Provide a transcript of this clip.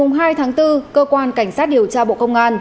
ngày hai tháng bốn cơ quan cảnh sát điều tra bộ công an